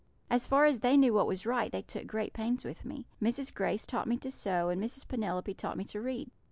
As far as they knew what was right, they took great pains with me. Mrs. Grace taught me to sew, and Mrs. Penelope taught me to read.